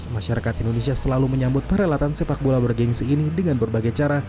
masyarakat indonesia selalu menyambut perhelatan sepak bola bergensi ini dengan berbagai cara